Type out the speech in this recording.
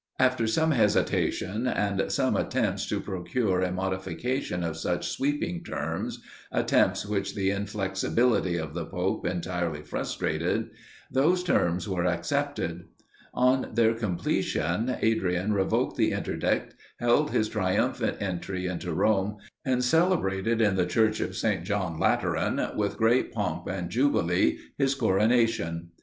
After much hesitation, and some attempts to procure a modification of such sweeping terms, attempts which the inflexibility of the pope entirely frustrated, those terms were accepted. On their completion, Adrian revoked the interdict, held his triumphant entry into Rome, and celebrated in the church of St. John Lateran, with great pomp and jubilee, his coronation.